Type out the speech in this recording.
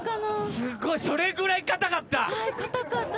すごいそれぐらい硬かった？